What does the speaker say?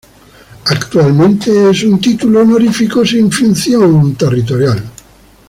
Actualmente es un título honorífico sin función territorial.